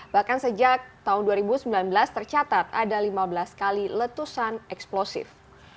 bahkan sejak tahun dua ribu sembilan belas tercatat ada lima belas kali letusan eksplosif